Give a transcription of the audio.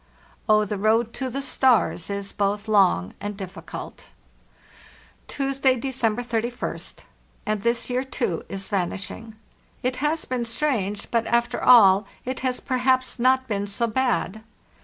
. "Oh, the road to the stars is both long and difficult! "Tuesday, December 31st. And this year too is vanishing. It has been strange, but, after all, it has perhaps not been so bad.